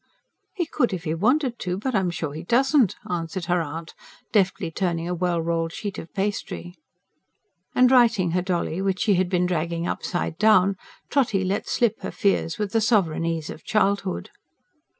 "He could if he wanted to. But I'm sure he doesn't," answered her aunt, deftly turning a well rolled sheet of pastry. And righting her dolly, which she had been dragging upside down, Trotty let slip her fears with the sovereign ease of childhood.